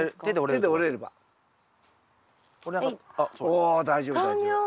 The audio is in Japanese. お大丈夫大丈夫。